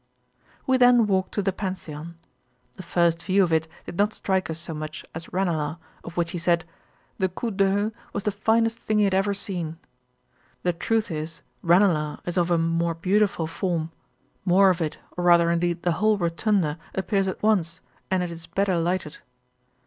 We then walked to the Pantheon. The first view of it did not strike us so much as Ranelagh, of which he said, the 'coup d'oeil was the finest thing he had ever seen.' The truth is, Ranelagh is of a more beautiful form; more of it, or rather indeed the whole rotunda, appears at once, and it is better lighted.